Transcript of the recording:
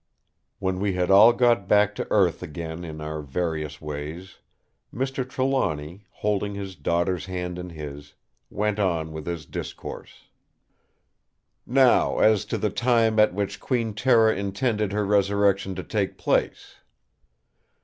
When we had all got back to earth again in our various ways, Mr. Trelawny, holding his daughter's hand in his, went on with his discourse: "Now, as to the time at which Queen Tera intended her resurrection to take place!